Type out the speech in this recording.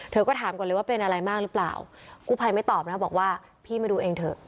ก็ถามก่อนเลยว่าเป็นอะไรมากหรือเปล่ากู้ภัยไม่ตอบนะบอกว่าพี่มาดูเองเถอะ